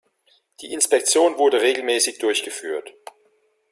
Die Inspektion wurde regelmäßig durchgeführt.